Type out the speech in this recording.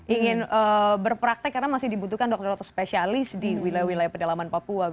ingin berpraktek karena masih dibutuhkan dokter dokter spesialis di wilayah wilayah pedalaman papua